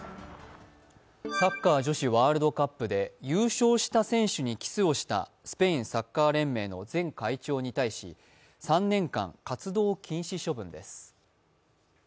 サッカー女子ワールドカップで優勝した選手にキスをしたスペインサッカー連盟の前会長に対し３年間、活動禁止処分です。